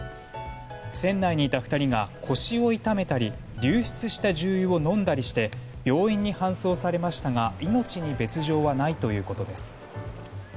船内にいた２人が腰を痛めたり流出した重油を飲んだりして病院に搬送されましたが命に別条はないということです。